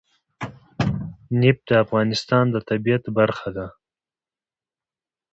نفت د افغانستان د طبیعت برخه ده.